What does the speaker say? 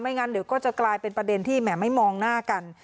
งั้นเดี๋ยวก็จะกลายเป็นประเด็นที่แหมไม่มองหน้ากัน